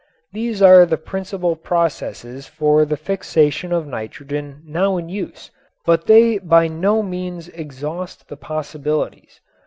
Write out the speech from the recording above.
These are the principal processes for the fixation of nitrogen now in use, but they by no means exhaust the possibilities.